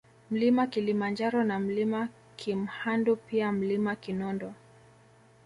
Mlima Kilimanjaro na Mlima Kimhandu pia Mlima Kinondo